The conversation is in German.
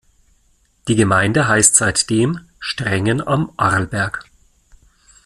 Die Gemeinde heißt seitdem "Strengen am Arlberg".